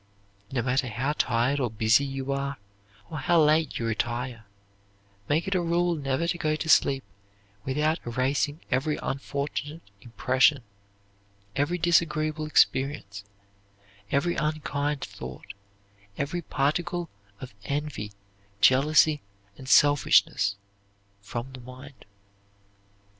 No matter how tired or busy you are, or how late you retire, make it a rule never to go to sleep without erasing every unfortunate impression, every disagreeable experience, every unkind thought, every particle of envy, jealousy, and selfishness, from the mind.